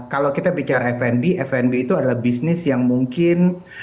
kalau kita bicara fnb fnb itu adalah bisnis yang mungkin